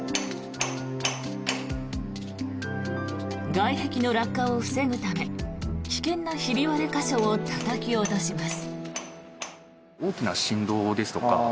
外壁の落下を防ぐため危険なひび割れ箇所をたたき落とします。